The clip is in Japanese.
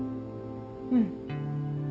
うん。